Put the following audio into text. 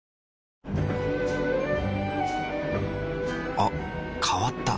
あ変わった。